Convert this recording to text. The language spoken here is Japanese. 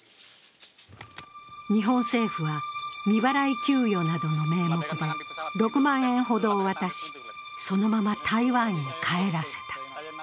日本政府は未払い給与などの名目で６万円ほどを渡し、そのまま台湾へ帰らせた。